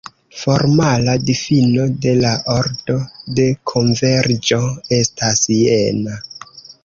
Formala difino de la ordo de konverĝo estas jena.